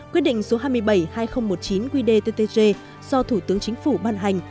quyết định số hai mươi bảy hai nghìn một mươi chín quy đề ttg do thủ tướng chính phủ ban hành